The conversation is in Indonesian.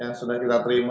yang sudah kita terima